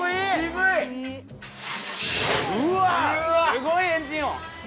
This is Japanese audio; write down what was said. すごいエンジン音。